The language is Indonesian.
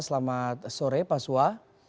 selamat sore pak suha